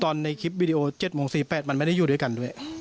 ในคลิปวิดีโอ๗โมง๔๘มันไม่ได้อยู่ด้วยกันด้วย